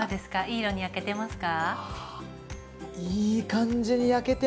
いい感じに焼けてますよ。